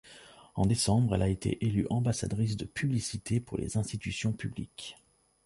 En décembre, elle a été élue ambassadrice de publicité pour les institutions publiques.